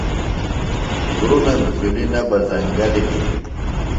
غُرنم جُھلیۡ بہ زنگل ہِنیۡ۔